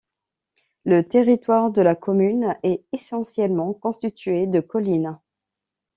Le territoire de la commune est essentiellement constitué de collines.